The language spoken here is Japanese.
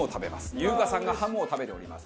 優香さんがハムを食べております。